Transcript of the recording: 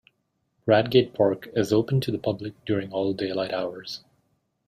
Bradgate Park is open to the public during all daylight hours.